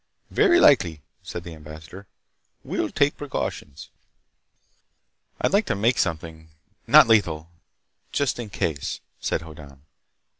"Very likely," said the ambassador. "We'll take precautions." "I'd like to make something—not lethal—just in case," said Hoddan.